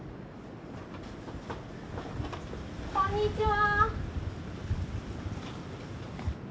こんにちは。